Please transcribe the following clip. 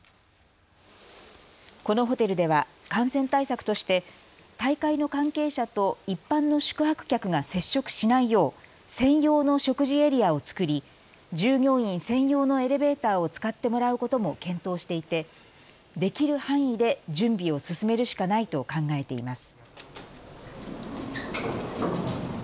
このホテルでは感染対策として大会の関係者と一般の宿泊客が接触しないよう専用の食事エリアを作り従業員専用のエレベーターを使ってもらうことも検討していてできる範囲で準備を進めるしかないと考えています。